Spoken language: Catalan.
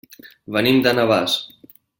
Venim de Navàs.